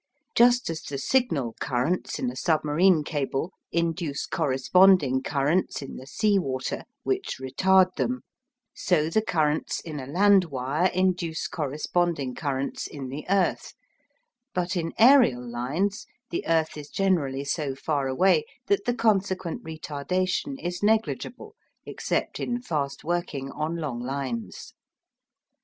Just as the signal currents in a submarine cable induce corresponding currents in the sea water which retard them, so the currents in a land wire induce corresponding currents in the earth, but in aerial lines the earth is generally so far away that the consequent retardation is negligible except in fast working on long lines.